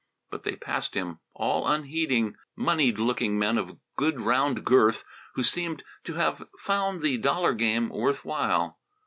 But they passed him, all unheeding, moneyed looking men of good round girth, who seemed to have found the dollar game worth while.